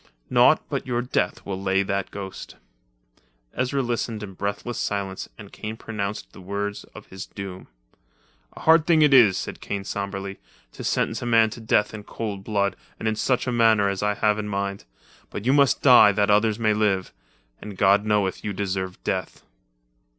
Naught but your death will lay that ghost." Ezra listened in breathless silence and Kane pronounced the words of his doom. "A hard thing it is," said Kane sombrely, "to sentence a man to death in cold blood and in such a manner as I have in mind, but you must die that others may live—and God knoweth you deserve death.